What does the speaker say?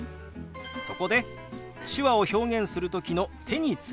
そこで手話を表現する時の手についてです。